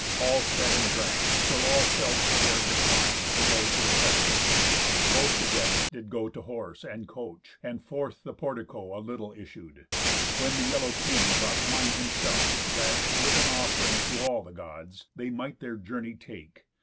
All fed and drank, till all felt care decline For those refreshings. Both the guests did go To horse, and coach, and forth the portico A little issued, when the yellow King Brought wine himself, that, with an offering To all the Gods, they might their journey take.